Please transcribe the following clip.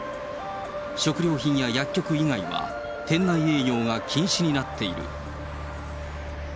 食料品や薬局以外は、店内営業が禁止になっている。